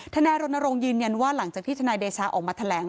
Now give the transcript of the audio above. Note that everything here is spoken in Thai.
นายรณรงค์ยืนยันว่าหลังจากที่ทนายเดชาออกมาแถลง